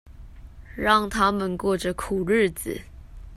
讓他們過著苦日子